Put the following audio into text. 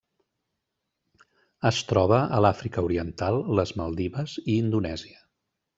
Es troba a l'Àfrica Oriental, les Maldives i Indonèsia.